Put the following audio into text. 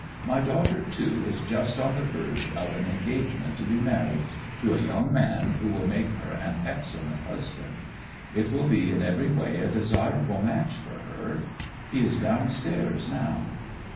My daughter, too, is just on the verge of an engagement to be married, to a young man who will make her an excellent husband. It will be in every way a desirable match for her. He is downstairs now.